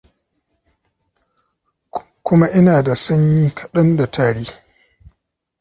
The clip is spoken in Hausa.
kuma ina da sanyi kadan da tari